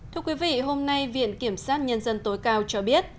thưa quý vị hôm nay viện kiểm sát nhân dân tối cao cho biết